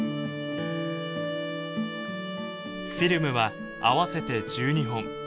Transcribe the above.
フィルムは合わせて１２本。